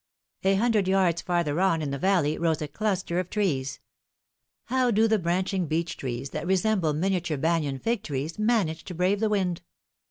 A hundred yards farther on in the valley rose a cluster of trees. How do the branching beech trees, that resem ble miniature Banian fig trees, manage to brave the wind?